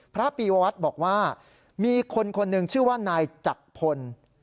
พระปียวัตรบอกว่ามีคนคนหนึ่งชื่อว่านายจักรพล